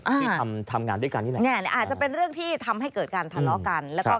ไปทำงานด้วยกันนี่แหละ